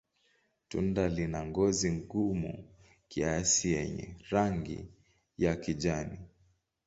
Tunda lina ngozi gumu kiasi yenye rangi ya kijani.